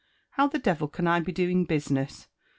How the devil can I be doing business